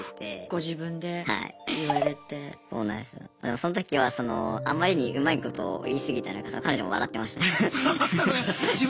その時はそのあまりにうまいことを言い過ぎたのか彼女も笑ってました。